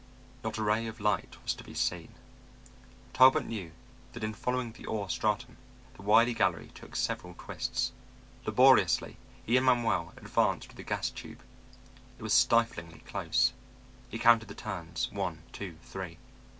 Not a ray of light was to be seen. Talbot knew that in following the ore stratum, the Wiley gallery took several twists. Laboriously he and Manuel advanced with the gas tube. It was stiflingly close. He counted the turns, one, two, three.